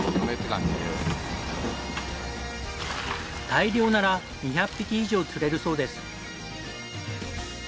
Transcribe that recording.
大漁なら２００匹以上釣れるそうです。